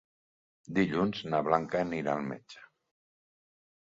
Dilluns na Blanca anirà al metge.